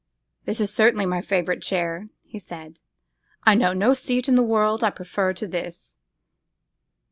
'This is certainly my favourite chair,' he said; 'I know no seat in the world I prefer to this.